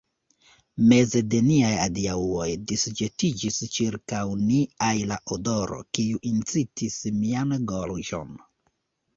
Meze de niaj adiaŭoj, disĵetiĝis ĉirkaŭ ni ajla odoro, kiu incitis mian gorĝon.